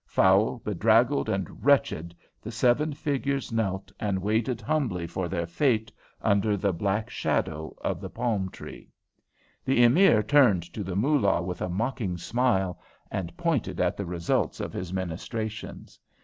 Foul, bedraggled, and wretched, the seven figures knelt and waited humbly for their fate under the black shadow of the palm tree. The Emir turned to the Moolah with a mocking smile, and pointed at the results of his ministrations.